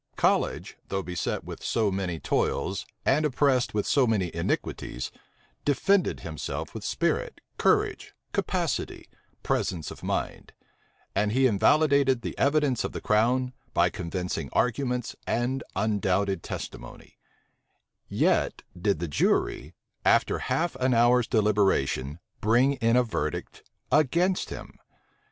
College, though beset with so many toils, and oppressed with so many iniquities, defended himself with spirit, courage, capacity, presence of mind; and he invalidated the evidence of the crown, by convincing arguments and undoubted testimony: yet did the jury, after half an hour's deliberation, bring in a verdict against him.